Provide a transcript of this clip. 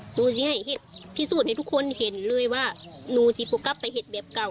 หนูให้พิสูจน์ให้ทุกคนเห็นเลยว่าหนูสิปูกลับไปเห็ดแบบเก่า